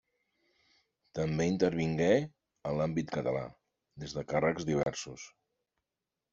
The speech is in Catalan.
També intervingué a l'àmbit català des de càrrecs diversos.